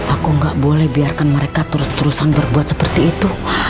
aku nggak boleh biarkan mereka terus terusan berbuat seperti itu